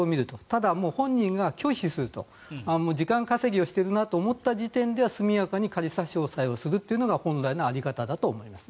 ただ、本人が拒否をすると時間稼ぎをしているなと思った時点で速やかに仮差し押さえをするのが本来の在り方だと思います。